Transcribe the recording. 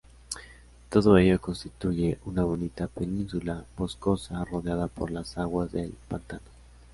Todo ello constituye una bonita península boscosa rodeada por la aguas del pantano.